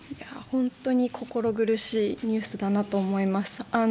本当に心苦しいニュースだと思います。